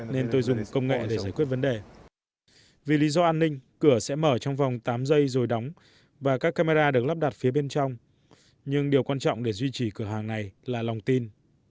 narafa có một cửa hàng phía bên trong nhưng điều quan trọng để duy trì cửa hàng này là lòng tin